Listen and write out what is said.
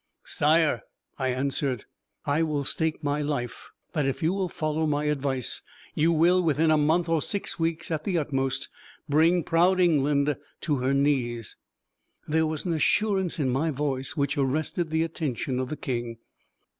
"Sire," I answered, "I will stake my life that if you will follow my advice you will, within a month or six weeks at the utmost, bring proud England to her knees." There was an assurance in my voice which arrested the attention of the King.